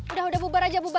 udah udah bubar aja bubar